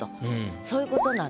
そういうことなんです。